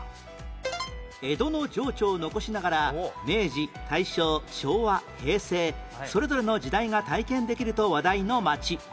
江戸の情緒を残しながら明治大正昭和平成それぞれの時代が体験できると話題の街